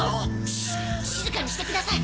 シ静かにしてください